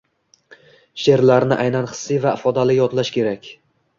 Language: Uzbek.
Sheʼrlarni aynan hissiy va ifodali yodlash kerak